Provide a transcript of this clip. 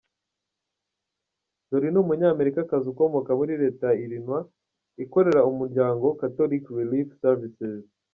Jorie ni Umunyamerikakazi ukomoka muri Leta ya Illinois, akorera umuryango Catholic Relief Services.